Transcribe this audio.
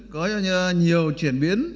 có nhiều chuyển biến